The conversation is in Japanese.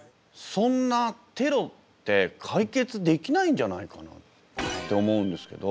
そんなテロって解決できないんじゃないかなと思うんですけど。